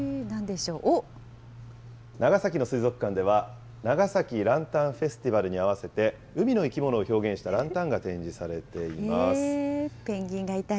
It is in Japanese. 長崎の水族館では、長崎ランタンフェスティバルに合わせて、海の生き物を表現したラペンギンがいたり。